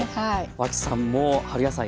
脇さんも春野菜